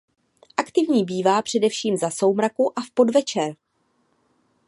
Aktivní bývá především za soumraku a v podvečer.